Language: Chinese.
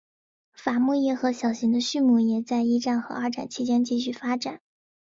伐木业和小型的畜牧业在一战和二战期间继续发展。